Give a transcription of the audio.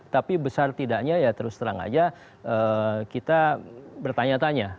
tapi besar tidaknya ya terus terang aja kita bertanya tanya